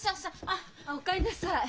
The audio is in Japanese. あっお帰りなさい。